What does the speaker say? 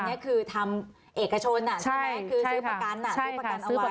อันนี้คือทำเอกชนใช่ไหมคือซื้อประกันเอาไว้